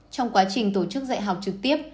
trong quá trình tổ chức dạy học trực tiếp